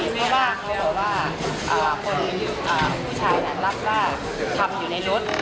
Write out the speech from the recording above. เพราะว่าคนผู้ชายแหละรับว่าทำอยู่ในรถ